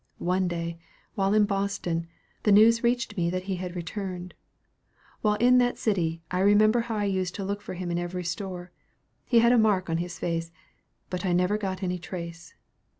One day, while in Boston, the news reached me that he had returned. While in that city, I remember how I used to look for him in every store he had a mark on his face but I never got any trace.